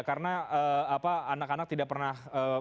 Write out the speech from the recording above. karena anak anak tidak pernah